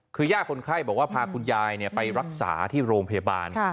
คือย่าคนไข้บอกว่าพาคุณยายไปรักษาที่โรงพยาบาล